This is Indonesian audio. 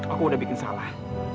aku udah bikin salah